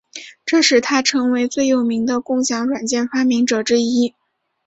这使他成为最有名的共享软件发明者之一。